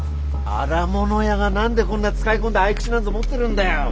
荒物屋が何でこんな使い込んだ匕首なんぞ持ってるんだよ。